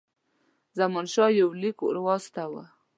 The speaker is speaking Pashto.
زمانشاه یو لیک واستاوه.